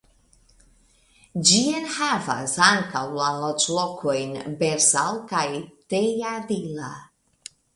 Ĝi enhavas ankaŭ la loĝlokojn Berzal kaj Tejadilla.